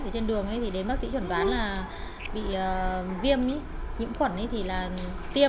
ở trên đường thì đến bác sĩ chuẩn đoán là bị viêm nhiễm khuẩn thì là tiêm